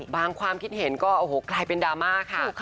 บางความคิดเห็นก็กลายเป็นดราม่าค่ะ